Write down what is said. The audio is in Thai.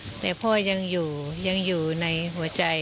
เรื่องเกษตรทฤษฎีใหม่และความพอเพียงของในหลวงรัชกาลที่๙